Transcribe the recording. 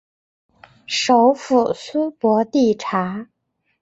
首府苏博蒂察。